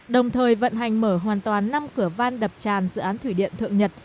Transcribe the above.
đồng thời vận hành mở hoàn toàn năm cửa van đập tràn dự án thủy điện thượng nhật